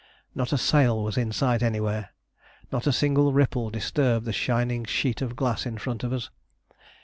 Not a sail was in sight anywhere, not a single ripple disturbed the shining sheet of glass in front of us.